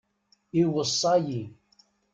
Iweṣṣa-yi.